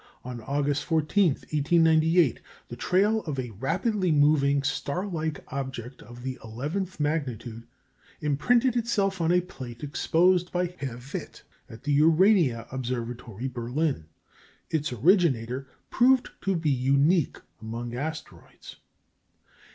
On August 14, 1898, the trail of a rapidly moving, star like object of the eleventh magnitude imprinted itself on a plate exposed by Herr Witt at the Urania Observatory, Berlin. Its originator proved to be unique among asteroids.